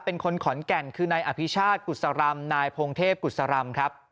เป็นคนขอนแก่นคือนายอภิชาติกุศรำนายพงเทพกุศรำครับ